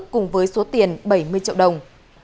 cùng với số tiền bảy mươi triệu đồng